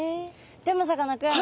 でもさかなクン